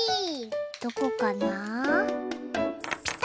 どこかなあ？